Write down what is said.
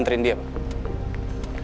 ngantrin dia pak